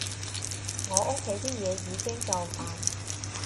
我屋企啲嘢已經夠煩